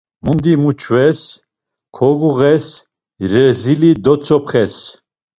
Mundi muçves, koguğes, rezili dotzopxes.